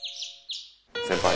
先輩